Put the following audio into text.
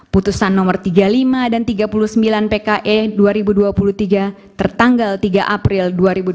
putusan nomor tiga puluh lima dan tiga puluh sembilan pke dua ribu dua puluh tiga tertanggal tiga april dua ribu dua puluh